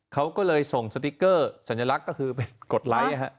เขาก็เลยส่งสติ๊กเกอร์สัญลักษณ์ก็คือไปกดไลค์